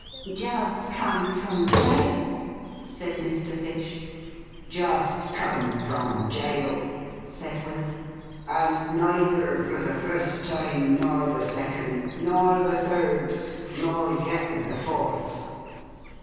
'Just come from jail,' said Mr. Fish. 'Just come from jail,' said Will. 'And neither for the first time, nor the second, nor the third, nor yet the fourth.